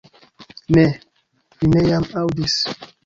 Ne, ni ne jam aŭdis